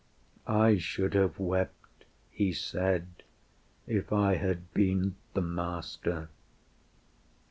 "I should have wept," he said, "If I had been the Master.